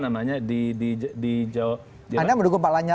anda mendukung pak lanyal